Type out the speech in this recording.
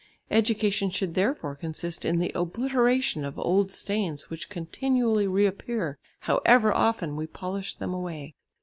Education should therefore consist in the obliteration of old stains which continually reappear however often we polish them away.